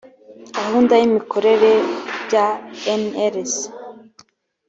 gahunda y’ imikorere bya nlc.